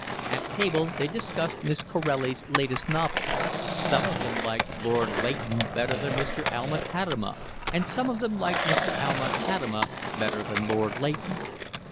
At table they discussed Miss Corelli's latest novel; some of them liked Lord Leighton better than Mr. Alma Tadema, and some of them liked Mr. Alma Tadema better than Lord Leighton.